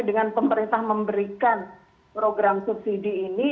dengan pemerintah memberikan program subsidi ini